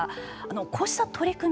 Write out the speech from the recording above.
こうした取り組み。